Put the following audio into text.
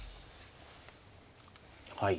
はい。